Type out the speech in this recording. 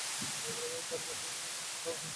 জানো, মাঝেমধ্যে মনে হয় তারা কোথাও একটা রয়েছে।